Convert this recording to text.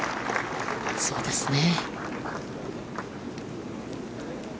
そうですね。